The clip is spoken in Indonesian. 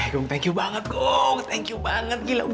jakarta kan macet